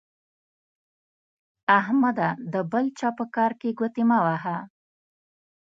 احمده د بل چا په کار کې ګوتې مه وهه.